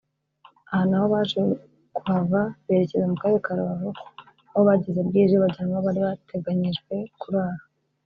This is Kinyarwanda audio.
Aha naho baje kuhava berekeza mu karere ka Rubavu aho bageze bwije bajyanwa aho bari bateganyirijwe kurara